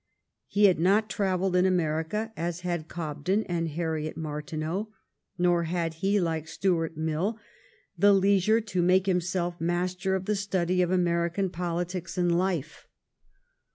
He had not trav elled in America as had Cobden and Harriet Mar tineau, nor had he, like Stuart Mill, the leisure to make himself master of the study of American politics and life.